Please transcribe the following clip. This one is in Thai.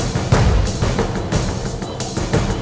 มันปีนไม่หยิบ